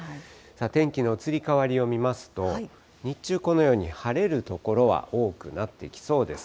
天気の移り変わりを見ますと、日中、このように晴れる所は多くなっていきそうです。